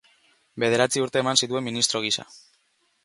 Bederatzi urte eman zituen ministro gisa.